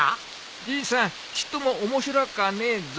じいさんちっとも面白かねえぞ。